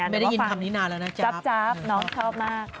ไม่ได้ยินคำนี้นานแล้วนะจับน้องชอบมาก